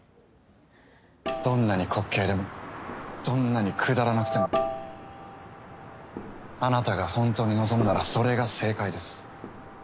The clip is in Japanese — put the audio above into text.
どんなに滑稽でもどんなにくだらなくてもあなたがほんとに望むならそれが正解です。